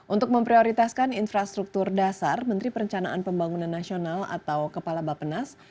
untuk memprioritaskan infrastruktur dasar menteri perencanaan pembangunan nasional atau kepala bapenas